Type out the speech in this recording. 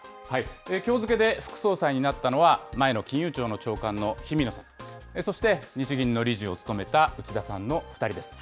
きょう付けで副総裁になったのは、前の金融庁の長官の氷見野さん、そして日銀の理事を務めた内田さんの２人です。